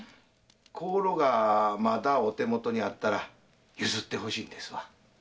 香炉がまだお手元にあったら譲ってほしいんですわ。